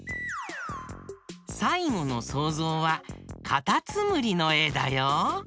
さいごのそうぞうはかたつむりのえだよ。